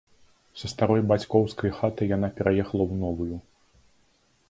Са старой бацькоўскай хаты яна пераехала ў новую.